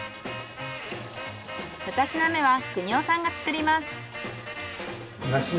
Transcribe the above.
２品目は邦男さんが作ります。